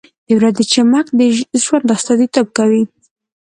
• د ورځې چمک د ژوند استازیتوب کوي.